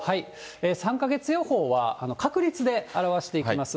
３か月予報は確率で表していきます。